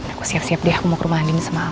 aku siap siap deh aku mau ke rumah andin sama al